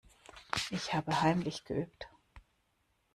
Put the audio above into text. Ich habe heimlich geübt.